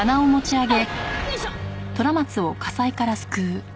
よいしょ！